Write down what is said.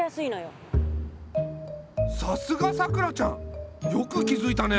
さすがさくらちゃんよく気づいたね。